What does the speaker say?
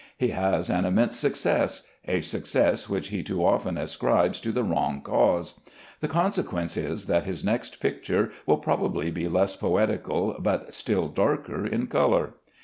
He has an immense success; a success which he too often ascribes to the wrong cause. The consequence is that his next picture will probably be less poetical, but still darker in color.